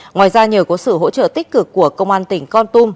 ngoài ra nhờ có sự hỗ trợ tích cực của công an tỉnh con tum